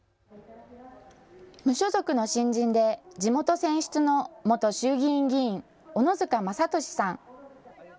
無所属の新人で地元選出の元衆議院議員、小野塚勝俊さん。